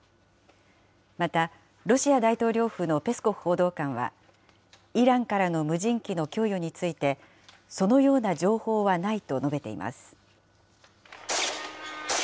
また、ロシア大統領府のペスコフ報道官は、イランからの無人機の供与について、そのような情報はないと述べています。